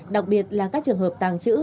đặc biệt là các trường hợp tàng trữ